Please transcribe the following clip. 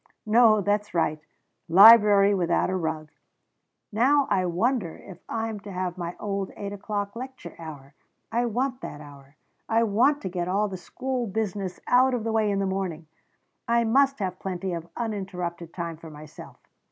"No that's right library without a rug now I wonder if I am to have my old eight o'clock lecture hour? I want that hour! I want to get all the school business out of the way in the morning. I must have plenty of uninterrupted time for myself.